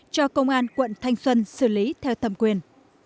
cho công an quận thanh xuân xử lý theo thẩm quyền